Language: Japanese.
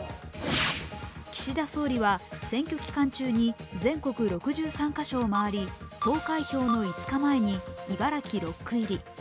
岸田総理は選挙期間中に全国６３カ所を回り投開票の５日前に茨城６区入り。